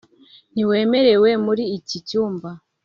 ntiwemerewe muri iki cyumba.